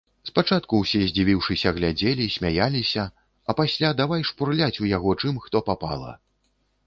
Спачатку ўсе здзівіўшыся глядзелі, смяяліся, а пасля давай шпурляць у яго чым хто папала.